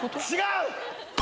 違う。